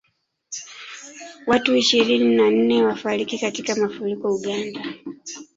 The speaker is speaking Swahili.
Watu ishirini na nne wafariki katika mafuriko Uganda